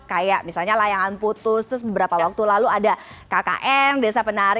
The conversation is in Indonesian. kayak misalnya layangan putus terus beberapa waktu lalu ada kkn desa penari